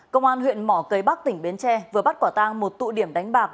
công an huyện mỏ cây bắc tỉnh bến tre vừa bắt quả tang một tụ điểm đánh bạc